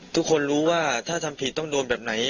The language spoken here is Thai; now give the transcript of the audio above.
ทุกคนรู้ว่าถ้าทำผิดต้องโดนแบบไหน